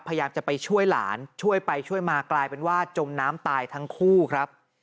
พยายามจะไปช่วยหลานช่วยไปช่วยมากลายเป็นว่าจมน้ำตายทั้งคู่ครับ